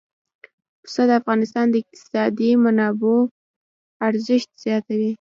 پسه د افغانستان د اقتصادي منابعو ارزښت زیاتوي.